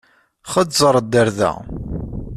Xeẓẓeṛ-d ar da!